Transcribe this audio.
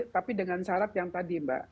tapi dengan syarat yang tadi mbak